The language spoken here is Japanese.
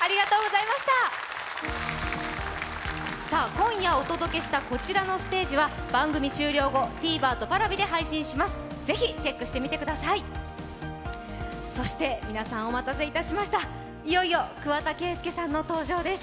今夜お届けしたこちらのステージは番組終了後、ＴｖｅｒとＰａｒａｖｉで配信します。